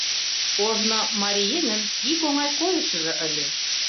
Ожно марий еҥын ик оҥай койышыжо ыле.